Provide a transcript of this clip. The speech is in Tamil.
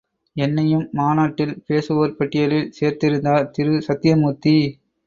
என்னையும் மாநாட்டில் பேசுவோர் பட்டியலில் சேர்த்திருந்தார் திரு சத்யமூர்த்தி.